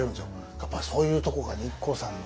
やっぱそういうとこがねＩＫＫＯさんの。